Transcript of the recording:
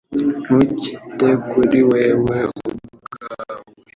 Ntukite kuri wewe ubwawe